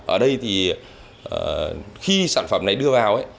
ở đây thì khi sản phẩm này đưa vào